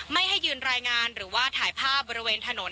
ไม่ให้ยืนรายงานหรือว่าถ่ายภาพบริเวณถนน